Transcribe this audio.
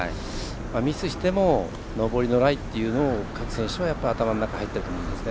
ミスしても上りのライというのを各選手は頭の中に入ってると思いますね。